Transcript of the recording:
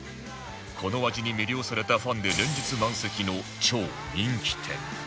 この味に魅了されたファンで連日満席の超人気店